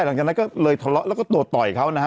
หลังจากนั้นก็เลยทะเลาะแล้วก็โดดต่อยเขานะฮะ